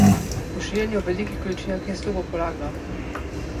Pošiljanje v velikih količinah je zelo popularno.